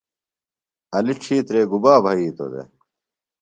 علی ڇِھیترے گُبا بھئِیتوۡ دےۡ؟